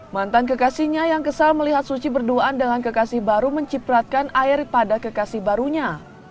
mantan kekasihnya yang kesal melihat suci berduaan dengan kekasih baru mencipratkan air pada kekasih barunya